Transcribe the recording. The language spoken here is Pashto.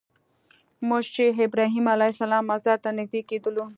موږ چې ابراهیم علیه السلام مزار ته نږدې کېدلو.